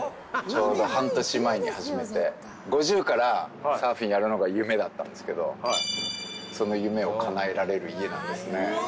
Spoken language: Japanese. ちょうど半年前に始めて、５０からサーフィンやるのが夢だったんですけど、その夢をかなえられる家なんですね。